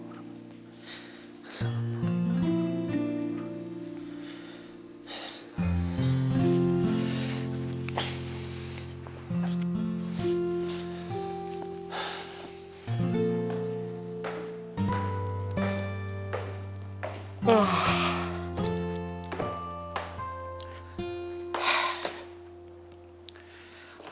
assalamualaikum warahmatullahi wabarakatuh